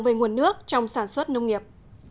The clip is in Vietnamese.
về nguồn nước trong sản xuất nông nghiệp